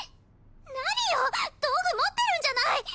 何よ道具持ってるんじゃない！